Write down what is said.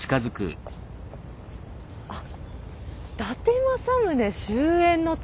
あっ「伊達政宗終焉の地」。